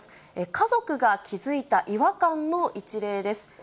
家族が気付いた違和感の一例です。